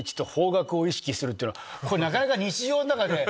これなかなか日常の中で。